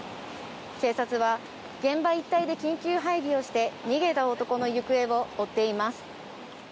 警察は、現場一帯で緊急配備をして逃げた男の行方を追っています。